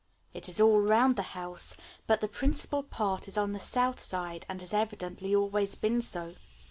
It is all round the house, but the principal part is on the south side and has evidently always been so.